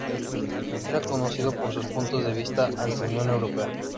Era conocido por sus puntos de vista anti-Unión Europea.